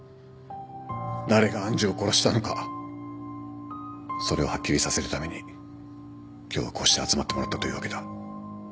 誰が愛珠を殺したのかそれをはっきりさせるために今日はこうして集まってもらったというわけだ。